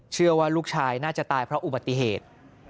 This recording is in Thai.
เชื่อว่าลูกชายน่าจะตายเพราะอุบัติเหตุ